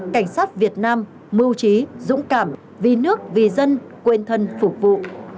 cảnh sát việt nam mưu trí dũng cảm vì nước vì dân quên thân phục vụ